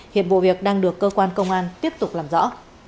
hiện vụ việc đang được cơ quan công an tiếp tục làm rõ